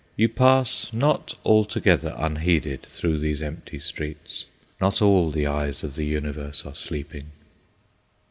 You pass not altogether unheeded through these empty streets. Not all the eyes of the universe are sleeping.